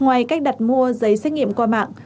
ngoài cách đặt mua giấy xét nghiệm qua mạng